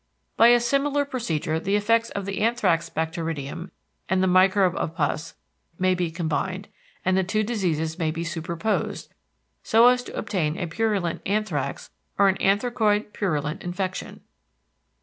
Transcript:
By a similar procedure the effects of the anthrax bacteridium and the microbe of pus may be combined and the two diseases may be superposed, so as to obtain a purulent anthrax or an anthracoid purulent infection.